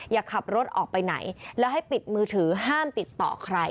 อย่าขับรถออกไปไหนแล้วให้ปิดมือถือห้ามติดต่อใคร